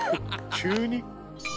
急に！